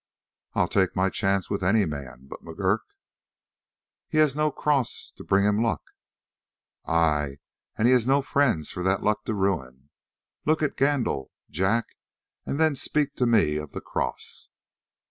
"I'll take my chance with any man but McGurk " "He has no cross to bring him luck." "Aye, and he has no friends for that luck to ruin. Look at Gandil, Jack, and then speak to me of the cross."